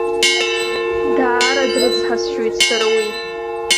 Даара дрыцҳасшьоит сара уи.